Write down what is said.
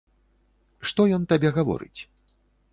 Што ён табе гаворыць?